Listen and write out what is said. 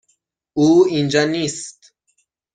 او اینجا نیست.